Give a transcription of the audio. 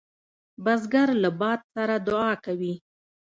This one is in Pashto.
بزګر له باد سره دعا کوي